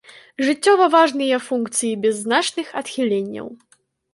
Жыццёва важныя функцыі без значных адхіленняў.